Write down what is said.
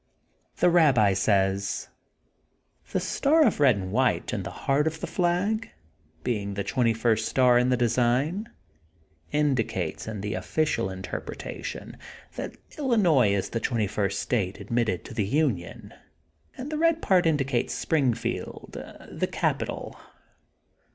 The Babbi says: — ''The star of red and white in the heart of the flag, being the twen ty first star in the design, indicates, in the official interpretation, that Illinois was the twenty first state admitted to the Union and the red part indicates Springfield, the capi tal.